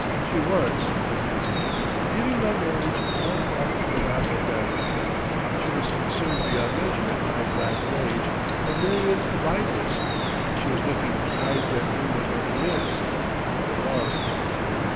She was, I do believe, giving my marriage more thought than I had done, she was concerned beyond measure at my black rage and Marion's blindness, she was looking with eyes that knew what loving is—for love.